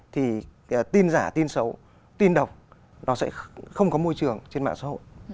thì tin giả tin xấu tin độc nó sẽ không có môi trường trên mạng xã hội